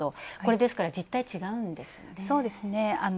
ですから、実態、違うんですね。